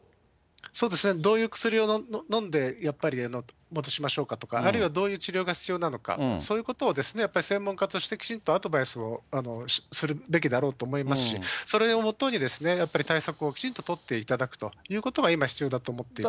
そうですね、どういう薬を飲んで、やっぱり戻しましょうかとか、あるいはどういう治療が必要なのか、そういうことをやっぱり専門家としてきちんとアドバイスをするべきだろうと思いますし、それをもとにやっぱり対策をきちんと取っていただくということが今、必要だと思っています。